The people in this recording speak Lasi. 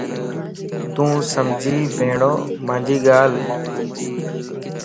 توسمجھي ٻيڻھونَ مانجي ڳالھه؟